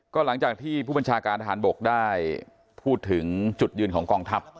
ก็หลังจากที่ผู้บัญชาการทหารบกได้พูดถึงจุดยืนของกองทัพ